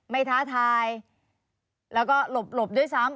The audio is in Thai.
ท้าทายแล้วก็หลบด้วยซ้ำ